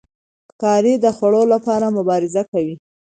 ښکاري د خوړو لپاره مبارزه کوي.